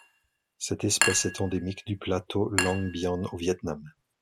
Cette espèce est endémique du plateau Langbian au Viêt Nam.